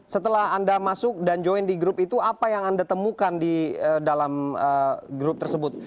setelah anda masuk dan join di grup itu apa yang anda temukan di dalam grup tersebut